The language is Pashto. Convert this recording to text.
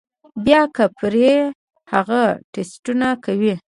بيا کۀ پرې هغه ټسټونه کوي